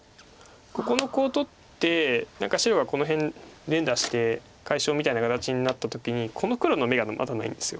ここのコウを取って何か白がこの辺連打して解消みたいな形になった時にこの黒の眼がまだないんです。